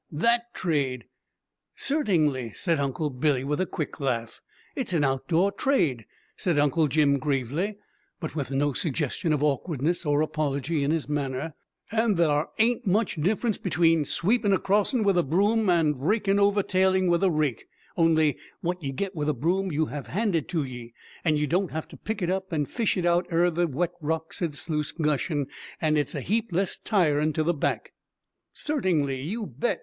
"That trade." "Certingly," said Uncle Billy, with a quick laugh. "It's an outdoor trade," said Uncle Jim gravely, but with no suggestion of awkwardness or apology in his manner; "and thar ain't much difference between sweepin' a crossin' with a broom and raking over tailing with a rake, only wot ye get with a broom you have handed to ye, and ye don't have to pick it up and fish it out er the wet rocks and sluice gushin'; and it's a heap less tiring to the back." "Certingly, you bet!"